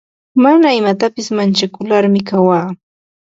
Mana imapitasi manchakularmi kawaa.